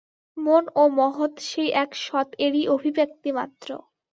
মন ও মহৎ সেই এক সৎ-এরই অভিব্যক্তি মাত্র।